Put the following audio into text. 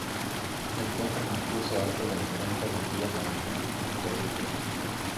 Se encuentra en el curso alto de la cuenca del río Marañón, en Perú.